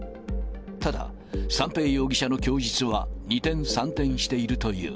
ただ、三瓶容疑者の供述は二転三転しているという。